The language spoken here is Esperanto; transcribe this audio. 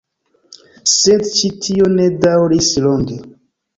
Sed ĉi tio ne daŭris longe.